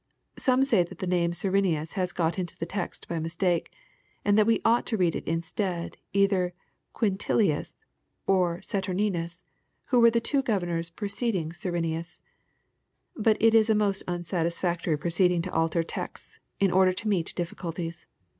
Some say that the name of Cyrenius has got into the text D^ mistake, and that we ought to read instead of it, either Quindlius or Satuminus, who were the two governors preceding Cyrenius. But it is a most unsatisfactory proceeding to alter texts, in order to meet difficulties.